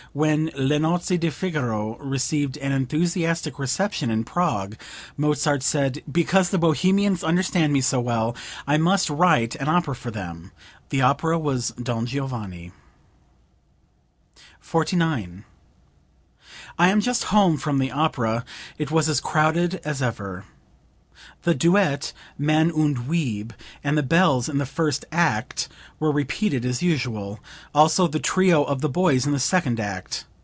When "Le Nozze di Figaro" received an enthusiastic reception in Prague, Mozart said: "Because the Bohemians understand me so well I must write an opera for them." The opera was "Don Giovanni.") 49. "I am just home from the opera; it was as crowded as ever. The duet, 'Mann und Weib,' and the bells in the first act, were repeated as usual, also the trio of the boys in the second act.